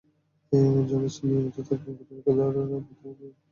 এ-ও জেনেছেন, নিয়মিত থাকবেন প্রতিপক্ষের রাডারে, তাঁর বোলিং নিয়ে হবে প্রচুর কাটাছেঁড়া।